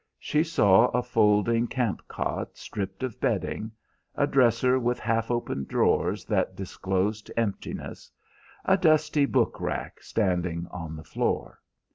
She saw a folding camp cot stripped of bedding, a dresser with half open drawers that disclosed emptiness, a dusty book rack standing on the floor.